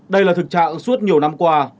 đây là thực trạng suốt nhiều năm qua